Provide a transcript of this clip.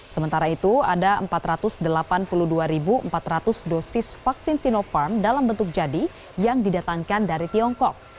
sementara itu ada empat ratus delapan puluh dua empat ratus dosis vaksin sinopharm dalam bentuk jadi yang didatangkan dari tiongkok